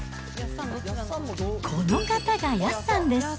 この方がやっさんです。